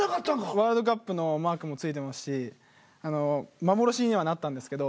ワールドカップのマークも付いてますし幻にはなったんですけど。